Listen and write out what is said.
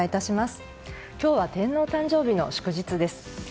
今日は天皇誕生日の祝日です。